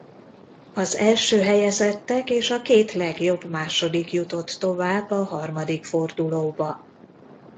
Az első helyezettek és a két legjobb második jutott tovább a harmadik fordulóba.